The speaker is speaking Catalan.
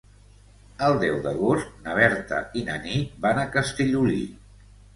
El deu d'agost na Berta i na Nit van a Castellolí.